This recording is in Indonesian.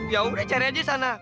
ya udah cari aja sana